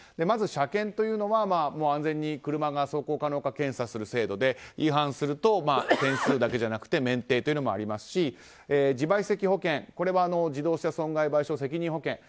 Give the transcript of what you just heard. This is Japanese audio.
まず車検というのは安全に車が走行可能か検査する制度で違反すると点数だけじゃなくて免停というのもありますしこれは自動車損害賠償責任保険。